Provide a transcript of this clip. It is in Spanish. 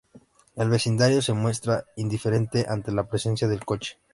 El vecindario se muestra indiferente ante la presencia del coche.